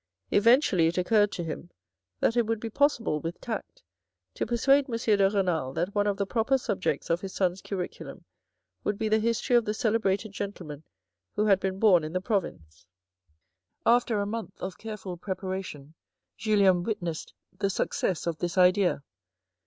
Eventually it occurred to him that it would be possible, with tact, to persuade M. de Renal that one of the proper subjects of his sons' curriculum would be the history of the celebrated gentlemen who had been born in the province. After a month of careful preparation Julien witnessed the success of this idea.